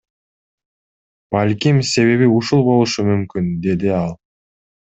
Балким, себеби ушул болушу мүмкүн, — деди ал.